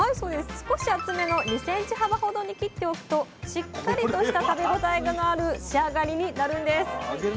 少し厚めの２ｃｍ幅ほどに切っておくとしっかりとした食べ応えのある仕上がりになるんです。